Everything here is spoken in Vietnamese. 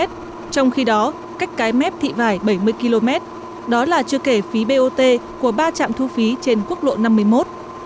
trong khi đó cách cái mép thị vải bảy mươi km đó là chưa kể phí bot của ba trạm thu phí trên quốc lộ năm mươi một